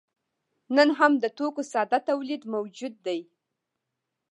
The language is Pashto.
نن هم د توکو ساده تولید موجود دی.